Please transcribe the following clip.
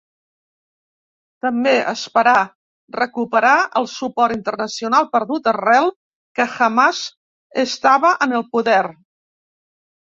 També esperà recuperar el suport internacional perdut arrel que Hamàs estava en el poder.